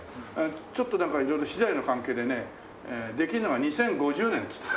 ちょっとなんか色々資材の関係でねできるのが２０５０年って。